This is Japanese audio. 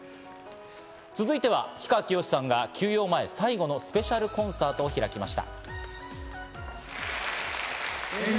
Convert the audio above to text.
続いては氷川きよしさんが休養前、最後のスペシャルコンサートを開きました。